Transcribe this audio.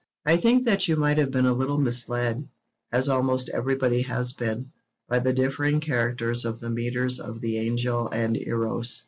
"' I think that you have been a little misled as almost everybody has been by the differing characters of the metres of the 'Angel' and 'Eros.'